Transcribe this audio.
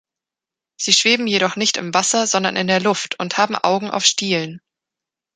Sie schweben jedoch nicht im Wasser, sondern in der Luft und haben Augen auf Stielen.